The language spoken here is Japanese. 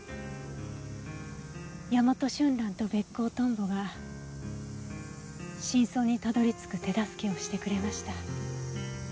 ヤマトシュンランとベッコウトンボが真相にたどり着く手助けをしてくれました。